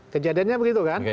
kejadiannya begitu kan